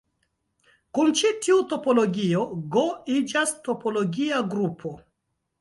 Kun ĉi tiu topologio "G" iĝas topologia grupo.